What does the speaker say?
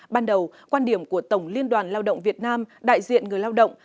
ban đầu quan điểm của tổng liên đoàn lao động việt nam đại diện người lao động